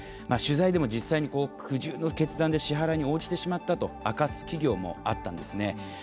取材でも、実際に苦渋の決断で支払いに応じてしまったと明かす企業もあったんですね。